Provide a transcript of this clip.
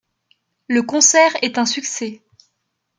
Le concert est un succès.